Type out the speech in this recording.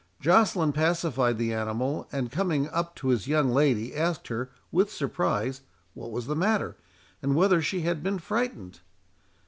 Joceline pacified the animal, and, coming up to his young lady, asked her, with surprise, what was the matter, and whether she had been frightened?